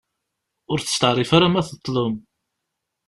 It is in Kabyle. Ur testeεrif ara ma teḍlem.